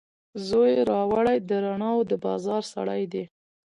زوی یې راوړي، د رڼاوو دبازار سړی دی